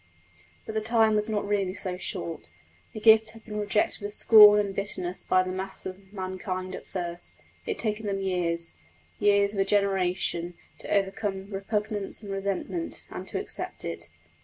But the time was not really so short; the gift had been rejected with scorn and bitterness by the mass of mankind at first; it had taken them years the years of a generation to overcome repugnance and resentment, and to accept it.